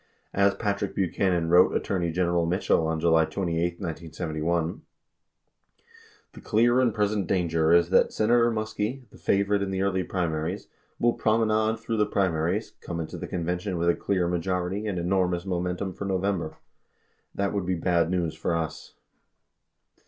As Patrick Buchanan wrote Attorney General Mitchell on July 28, 1971 : The clear and present danger is that Senator Muskie, the favorite in the early primaries, will promenade through the primaries, come into the convention with a clear majority and enormous momentum for November. That would be bad news for us.